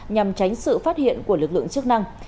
nhằm tránh sự phát hiện của lực lượng chức năng